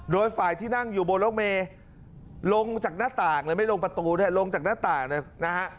โดยฝ่ายที่นั่งอยู่บนรถเมย์ลงจากหน้าต่างเลยไม่ลงประตูด้วยลงจากหน้าต่างนะฮะ